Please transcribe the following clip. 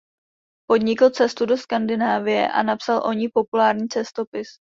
Podnikl cestu do Skandinávie a napsal o ní populární cestopis.